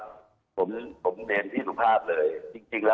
ผมเห็นที่สุภาพเลย